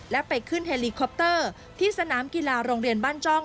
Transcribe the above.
และไปขึ้นเฮลิคอปเตอร์ที่สนามกีฬาโรงเรียนบ้านจ้อง